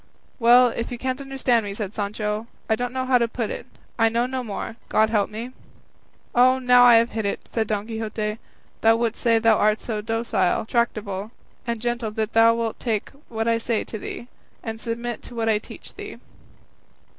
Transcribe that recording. "Well, if you can't understand me," said Sancho, "I don't know how to put it; I know no more, God help me." "Oh, now I have hit it," said Don Quixote; "thou wouldst say thou art so docile, tractable, and gentle that thou wilt take what I say to thee, and submit to what I teach thee."